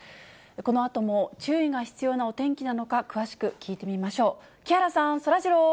このあとも注意が必要なお天気なのか、詳しく聞いてみましょう。